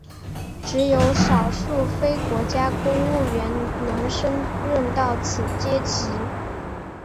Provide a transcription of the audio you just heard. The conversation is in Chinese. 只有少数非国家公务员能升任到此阶级。